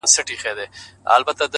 علم د بریا لاره ده,